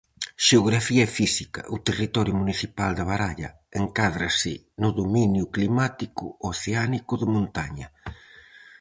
Xeografía física. O territorio municipal de Baralla encádrase no dominio climático oceánico de montaña.